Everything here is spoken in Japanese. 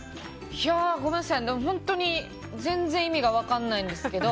ごめんなさい、本当に全然意味が分からないんですけど。